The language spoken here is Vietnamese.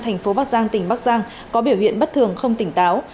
thành phố bắc giang tỉnh bắc giang có biểu hiện bất thường không tỉnh táo